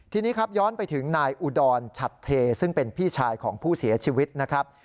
ทีนี้ครับย้อนไปถึงนายอุดรชัดเทซึ่งเป็นพี่ชายของผู้เสียชีวิตนะครับ